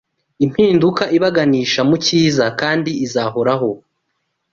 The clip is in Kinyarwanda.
impinduka ibaganisha mu cyiza kandi izahoraho